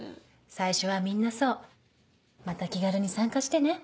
最初はみんなそうまた気軽に参加してね。